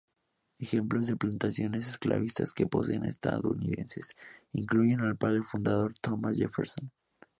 Ejemplos de plantaciones esclavistas que poseen estadounidenses incluyen al Padre fundador Thomas Jefferson.